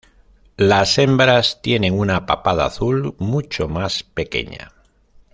Las hembras tienen una papada azul mucho más pequeña.